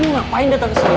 lo ngapain dateng kesini